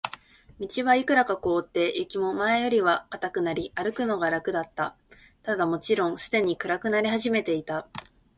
道はいくらか凍って、雪も前よりは固くなり、歩くのが楽だった。ただ、もちろんすでに暗くなり始めていた。